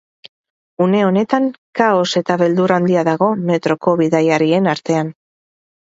Une honetan kaos eta beldur handia dago metroko bidaiarien artean.